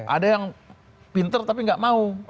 ada yang pinter tapi nggak mau